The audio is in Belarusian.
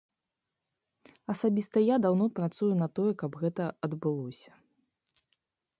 Асабіста я даўно працую на тое, каб гэта адбылося.